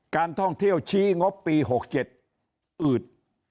การท่องเที่ยวชี้งบปี๖๗อืด